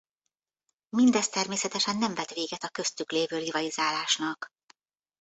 Mindez természetesen nem vet véget a köztük lévő rivalizálásnak.